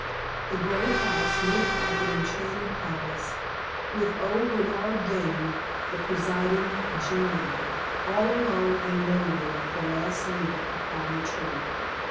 The great house looked like an enchanted palace, with old Bernard Dane the presiding genii, all alone and lonely like the last leaf upon the tree.